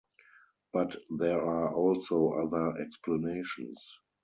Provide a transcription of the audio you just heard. But there are also other explanations.